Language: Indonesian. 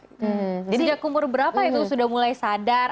jadi sejak umur berapa itu sudah mulai sadar